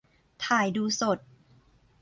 - ถ่ายดูสด